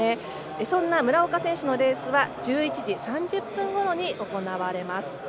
そんな村岡選手のレースは１１時３０分ごろに行われます。